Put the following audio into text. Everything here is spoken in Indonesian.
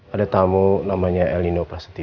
ada tamu namanya alinoprasetio